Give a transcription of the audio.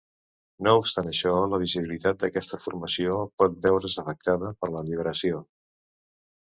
No obstant això, la visibilitat d'aquesta formació pot veure's afectada per la libració.